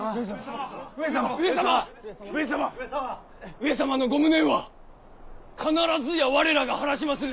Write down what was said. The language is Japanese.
上様のご無念は必ずや我らが晴らしまする！